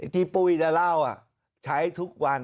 ที่ปุ่นวิทยาลาวใช้ทุกวัน